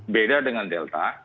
beda dengan delta